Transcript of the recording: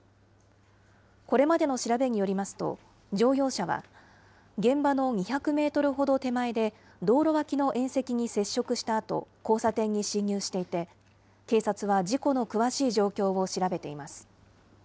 これまでの調べによりますと、乗用車は現場の２００メートルほど手前で、道路脇の縁石に接触したあと、交差点に進入していて、警察は事故の詳しい状況を調べています。